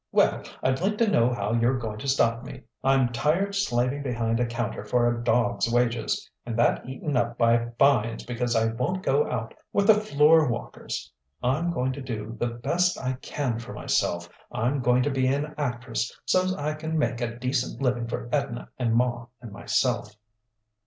Well, I'd like to know how you're going to stop me. I'm tired slaving behind a counter for a dog's wages and that eaten up by fines because I won't go out with the floor walkers. I'm going to do the best I can for myself. I'm going to be an actress, so's I can make a decent living for Edna and ma and myself."